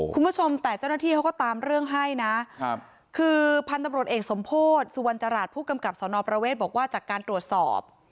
คุณผู้ชมแต่เจ้าหน้าที่เขาก็ตามเรื่องให้นะคือพันธุ์ตำรวจเอกสมโพธิสุวรรณจราชผู้กำกับสนประเวทบอกว่าจากการตรวจสอบ